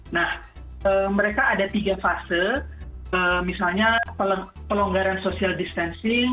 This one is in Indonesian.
nah mereka ada tiga fase misalnya pelonggaran social distancing